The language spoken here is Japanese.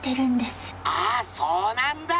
あそうなんだ！